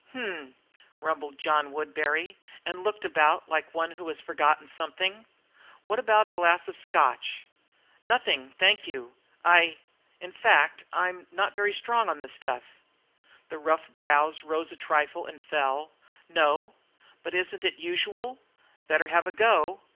"H m," rumbled John Woodbury, and looked about like one who has forgotten something. "What about a glass of Scotch?" "Nothing, thank you I in fact I'm not very strong for the stuff." The rough brows rose a trifle and fell. "No? But isn't it usual? Better have a go."